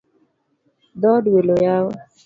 Dhood welo oyaw